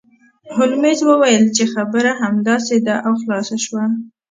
هولمز وویل چې خبره همداسې ده او خلاصه شوه